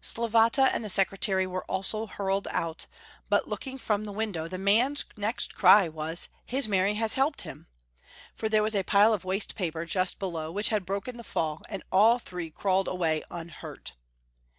Slavata and the secretary were also hiuied out, but, looking from the win dow, the man's next cry was, "His Mary has helped him." For there was a pile of waste paper just below, wliich had broken the fall, and all three crawled away unhurt.